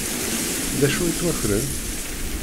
Dacu i yettwakren?